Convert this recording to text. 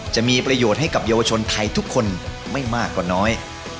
จะมีประโยชน์ให้กับเยาวชนไทยทุกคนไม่มากกว่าน้อย